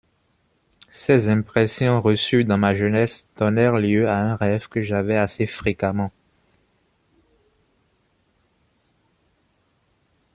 Ces impressions, reçues dans ma jeunesse, donnèrent lieu à un rêve que j'avais assez fréquemment.